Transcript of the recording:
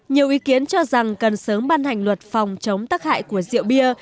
nhiều ý kiến cho rằng cần sớm ban hành luật phòng chống tắc hại của rượu bia